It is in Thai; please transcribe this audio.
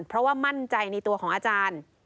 เพราะว่ามั่นใจในตัวของอาจารย์